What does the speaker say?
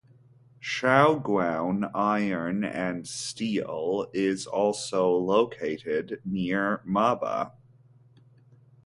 Shaoguan Iron and Steel is also located near Maba.